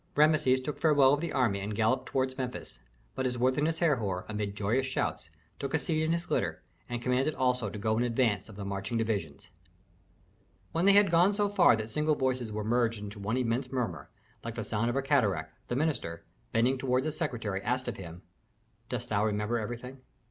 Rameses took farewell of the army and galloped towards Memphis; but his worthiness Herhor, amid joyous shouts, took a seat in his litter and commanded also to go in advance of the marching divisions. When they had gone so far that single voices were merged into one immense murmur, like the sound of a cataract, the minister, bending toward the secretary, asked of him, "Dost thou remember everything?"